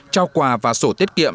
trao quà và sổ tiết kiệm